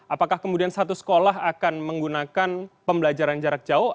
apakah kemudian satu sekolah akan menggunakan pembelajaran jarak jauh